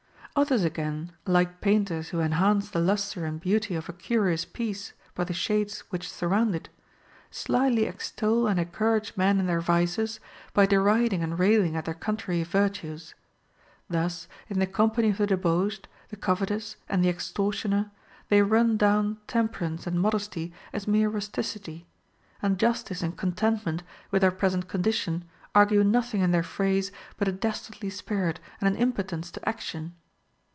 14. Others again, like painters who enhance the lustre and beauty of a curious piece by the shades which sur round it, slyly extol and encourage men in their vices by deriding and railing at their contrary virtues. Thus, in the company of the debauched, the covetous, and the ex tortioner, they run down temperance and modesty as mere rusticity ; and justice and contentment with our present condition argue nothing in their phrase but a dastardly spirit and an impotence to action.